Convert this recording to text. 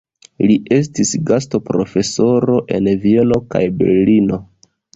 Li estis gastoprofesoro en Vieno kaj Berlino.